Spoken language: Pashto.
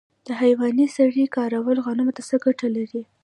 د حیواني سرې کارول غنمو ته څه ګټه لري؟